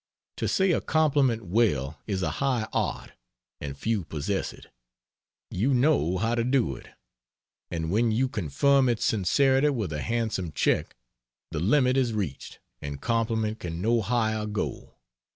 To say a compliment well is a high art and few possess it. You know how to do it, and when you confirm its sincerity with a handsome cheque the limit is reached and compliment can no higher go.